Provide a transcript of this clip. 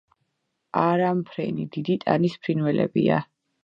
არამფრენი, დიდი ტანის ფრინველებია.